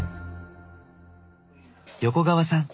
横川さん